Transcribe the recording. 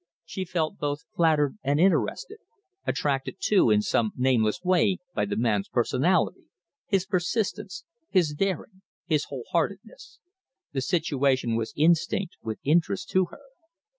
She felt both flattered and interested attracted, too, in some nameless way, by the man's personality, his persistence, his daring, his whole heartedness. The situation was instinct with interest to her.